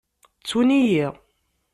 Ttun-iyi.